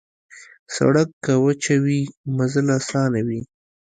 سړک که وچه وي، مزل اسان وي.